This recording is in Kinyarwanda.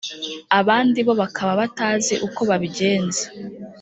abandi bo bakaba batazi uko babigenza